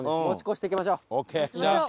持ち越していきましょう。